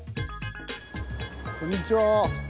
こんにちは。